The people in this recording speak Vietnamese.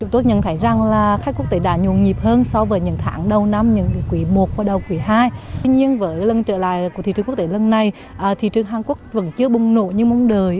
tuy nhiên với lần trở lại của thị trường quốc tế lần này thị trường hàn quốc vẫn chưa bùng nổ như mong đợi